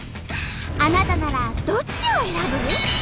あなたならどっちを選ぶ？